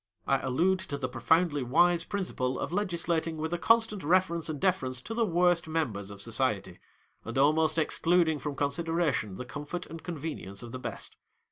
I allude to the profoundly wise principle of legislating with a constant reference and deference to the worst members of society, and almost excluding from con sideration the comfort and convenience of the best.